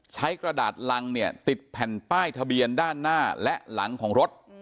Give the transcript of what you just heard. กระดาษรังเนี่ยติดแผ่นป้ายทะเบียนด้านหน้าและหลังของรถ